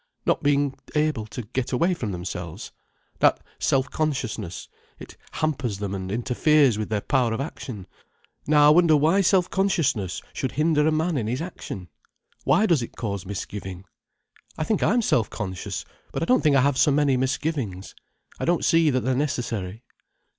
"Not being able to get away from themselves. That self consciousness. It hampers them, and interferes with their power of action. Now I wonder why self consciousness should hinder a man in his action? Why does it cause misgiving? I think I'm self conscious, but I don't think I have so many misgivings. I don't see that they're necessary."